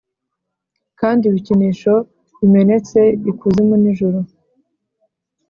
kandi ibikinisho bimenetse ikuzimu n'ijuru.